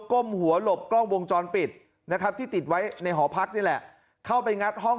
ก้มหัวหลบกล้องวงจรปิดที่ติดไว้ในหอพักเนี่ยแหละเข้าไปงัด